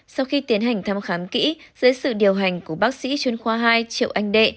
sau khi tiến hành thăm khám kỹ dưới sự điều hành của bác sĩ chuyên khoa hai triệu anh đệ